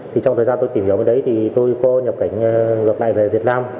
trong thời gian tôi tìm hiểu bên đấy tôi có nhập cảnh gặp lại về việt nam